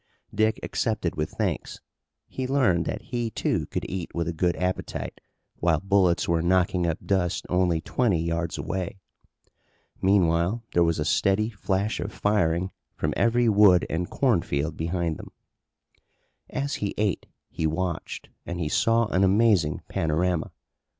Dick accepted with thanks. He learned that he, too, could eat with a good appetite while bullets were knocking up dust only twenty yards away. Meanwhile there was a steady flash of firing from every wood and cornfield behind them. As he ate he watched and he saw an amazing panorama.